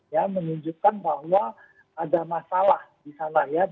ya menunjukkan bahwa ada masalah di sana ya